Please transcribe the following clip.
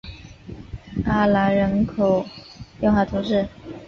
阿兰人口变化图示